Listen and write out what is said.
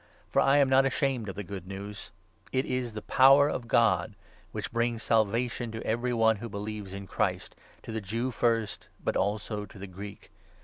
For I am not ashamed of the Good News ; it is the power of God which brings Salvation to every one who believes in Christ, to the Jew first, but also to the Greek.